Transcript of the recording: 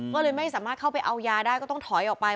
ก็เลยไม่สามารถเข้าไปเอายาได้ก็ต้องถอยออกไป